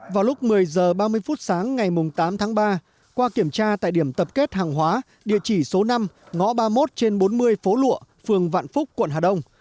vào lúc một mươi h ba mươi phút sáng ngày tám tháng ba qua kiểm tra tại điểm tập kết hàng hóa địa chỉ số năm ngõ ba mươi một trên bốn mươi phố lụa phường vạn phúc quận hà đông